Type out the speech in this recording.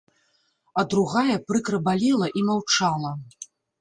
А другая прыкра балела і маўчала.